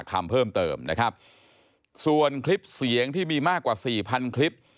คำเพิ่มเติมนะครับส่วนคลิปเสียงที่มีมากกว่าสี่พันคลิป